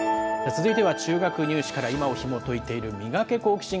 続いては中学入試から今をひもといているミガケ、好奇心！